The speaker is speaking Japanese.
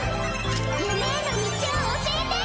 夢への道を教えて！